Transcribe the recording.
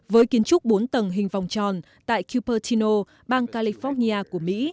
với kiến trúc bốn tầng hình vòng tròn tại kupertino bang california của mỹ